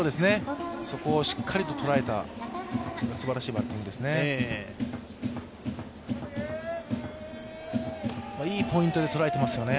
そこをしっかりと捉えたすばらしいバッティングですね。